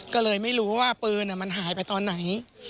ก็เลยไม่รู้ว่าปืนมันหายไปตอนไหน